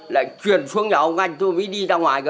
lại truyền xuống nhà ông anh tôi mới đi ra ngoài